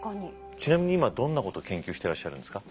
ちなみに今どんなこと研究してらっしゃるんですか？